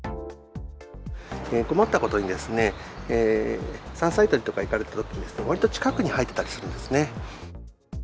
困ったことに、山菜採りとか行かれたとき、わりと近くに生えてたりするんですね。